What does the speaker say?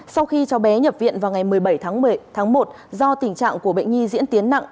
sau khi cháu bé nhập viện vào ngày một mươi bảy tháng một do tình trạng của bệnh nhi diễn tiến nặng